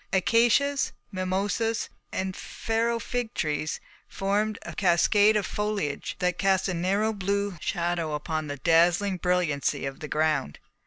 Acacias, mimosas, and Pharaoh fig trees formed a cascade of foliage that cast a narrow blue shadow upon the dazzling brilliancy of the ground.